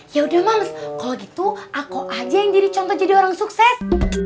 yaudah mams kalo gitu aku aja yang jadi contoh jadi orang sukses